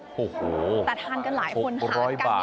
โอ้โฮแต่ทานกันหลายคนหา